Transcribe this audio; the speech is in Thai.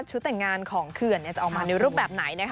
แต่งงานของเขื่อนจะออกมาในรูปแบบไหนนะคะ